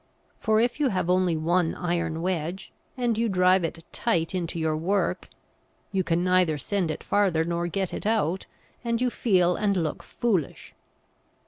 For if you have only one iron wedge, and you drive it tight into your work, you can neither send it farther nor get it out, and you feel and look foolish.